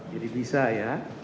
jadi bisa ya